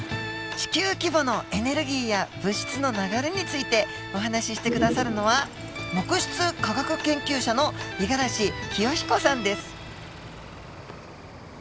地球規模のエネルギーや物質の流れについてお話しして下さるのは木質化学研究者の五十嵐圭日子さんです。